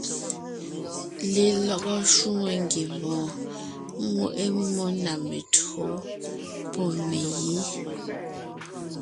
Lelɔgɔ shwòŋo ngiembɔɔn ŋweʼe mmó na mentÿǒ pɔ́ megǐ.